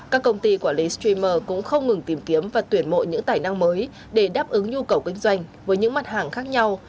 các công ty quản lý streamer cũng không ngừng tìm kiếm và tuyển mộ những tài năng mới để đáp ứng nhu cầu kinh doanh với những mặt hàng khác nhau